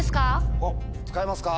使いますか。